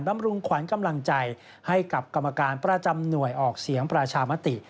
ำรุงขวัญกำลังใจให้กับกรรมการประจำหน่วยออกเสียงประชามติ